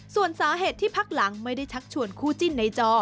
ส่วนสาเหตุที่พักหลังไม่ได้ชักชวนคู่จิ้นในจอ